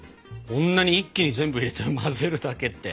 こんなに一気に全部入れて混ぜるだけって。